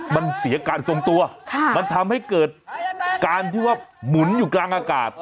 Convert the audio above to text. มันเสียการทรงตัวมันทำให้เกิดการที่ว่าหมุนอยู่กลางอากาศ